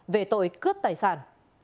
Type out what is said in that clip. về tội cướp tài sản